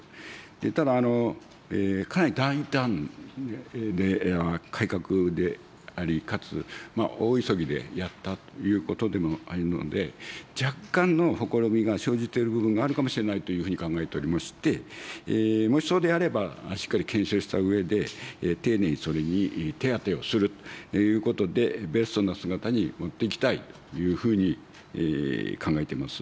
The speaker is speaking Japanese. ただ、かなり大胆な改革であり、かつ大急ぎでやったということでもあるので、若干のほころびが生じている部分があるかもしれないというふうに考えておりまして、もしそうであれば、しっかり検証したうえで、丁寧にそれに手当てをするということで、ベストな姿に持っていきたいというふうに考えてます。